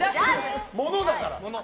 物だから。